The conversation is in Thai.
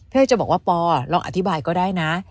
เอ้ยจะบอกว่าปอลองอธิบายก็ได้นะ